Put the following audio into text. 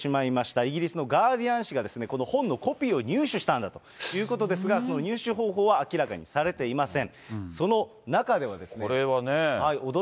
イギリスのガーディアン紙が、この本のコピーを入手したんだということですが、その入手方法は明らかにされていません。